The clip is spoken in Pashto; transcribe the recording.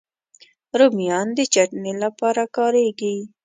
رومیان د چټني لپاره کارېږي